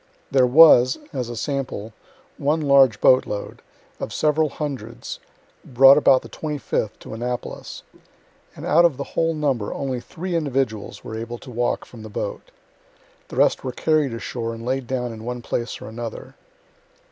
There was, (as a sample,) one large boat load, of several hundreds, brought about the 25th, to Annapolis; and out of the whole number only three individuals were able to walk from the boat. The rest were carried ashore and laid down in one place or another.